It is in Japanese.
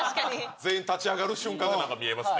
全員立ち上がる瞬間が見えますね。